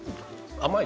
甘い？